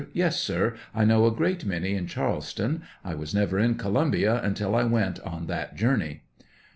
Yes, sir; I know a great many in Charleston : I was never in Columbia until I went on that journey.